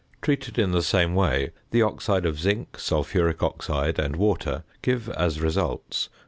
Treated in the same way the oxide of zinc, sulphuric oxide and water give as results 0.